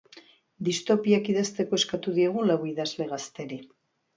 Distopiak idazteko eskatu diegu lau idazle gazteri.